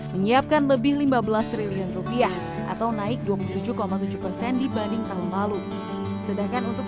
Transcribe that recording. menyiapkan lebih lima belas triliun rupiah atau naik dua puluh tujuh tujuh persen dibanding tahun lalu sedangkan untuk